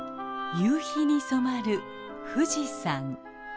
夕日に染まる富士山。